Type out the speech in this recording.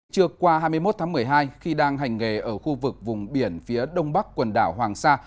trước qua hai mươi một tháng một mươi hai khi đang hành nghề ở khu vực vùng biển phía đông bắc quần đảo hoàng sa